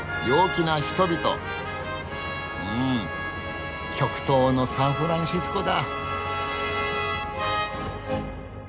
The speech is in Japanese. うん「極東のサンフランシスコ」だ！